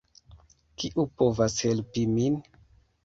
Kiu povas helpi min?